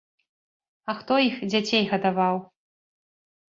А хто іх дзяцей гадаваў?